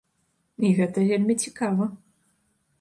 І гэта вельмі цікава.